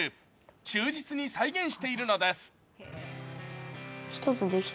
忠実に再現しているのです。